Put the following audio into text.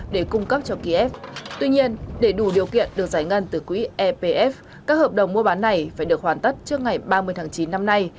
để cung cấp cho kiev tuy nhiên để đủ điều kiện được giải ngân từ quỹ epf các hợp đồng mua bán này phải được hoàn tất trước ngày ba mươi tháng chín năm nay